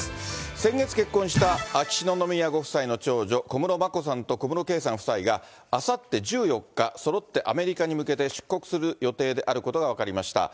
先月、結婚した秋篠宮ご夫妻の長女、小室眞子さんと小室圭さんが、あさって１４日、そろってアメリカに向けて出国する予定であることが分かりました。